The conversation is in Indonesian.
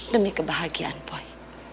demi kebahagiaan boy